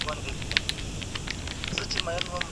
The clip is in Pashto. کله چې حقیقت څرګند شي، ګمراهی به رامنځته نه شي.